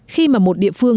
khi mà một địa phương